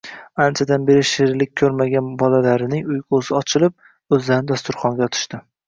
Anchadan beri shirinlik ko`rmagan bolalarining uyqusi ochilib, o`zlarini dasturxonga otishdi